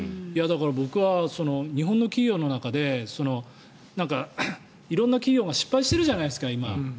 僕は日本の企業の中で色んな企業が失敗してるじゃないですか、今。